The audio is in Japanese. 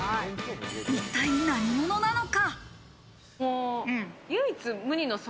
一体何者なのか？